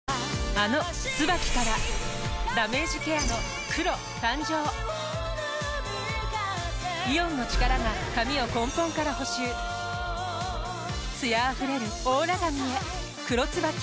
あの「ＴＳＵＢＡＫＩ」からダメージケアの黒誕生イオンの力が髪を根本から補修艶あふれるオーラ髪へ「黒ＴＳＵＢＡＫＩ」